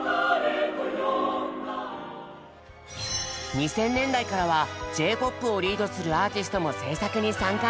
２０００年代からはＪ−ＰＯＰをリードするアーティストも制作に参加。